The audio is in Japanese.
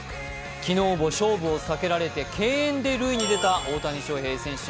昨日も勝負を避けられ敬遠で塁に出た大谷翔平選手。